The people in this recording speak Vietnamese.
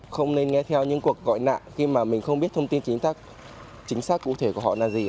không nên nghe theo những cuộc gọi nạn khi mà mình không biết thông tin chính xác cụ thể của họ là gì